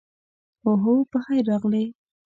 اوهو، پخیر راغلې.